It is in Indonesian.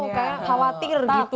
kayak khawatir gitu